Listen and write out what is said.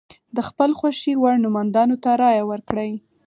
د خپل خوښې وړ نوماندانو ته رایه ورکړي.